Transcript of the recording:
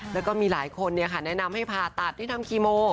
แล้วก็มีหลายคนแนะนำให้ผ่าตัดที่ทำคีโม